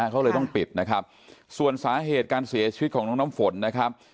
เขาเลยต้องปิดนะครับส่วนสาเหตุการเสียชีวิตของน้องน้ำฝนนะครับ